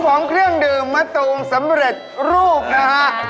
ของเครื่องดื่มมะตูมสำเร็จรูปนะฮะ